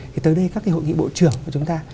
thì tới đây các cái hội nghị bộ trưởng của chúng ta